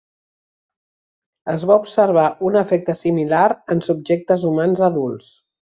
Es va observar un efecte similar en subjectes humans adults.